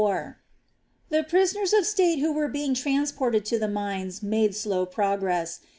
The prisoners of state who were being transported to the mines made slow progress.